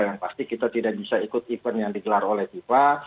yang pasti kita tidak bisa ikut event yang digelar oleh fifa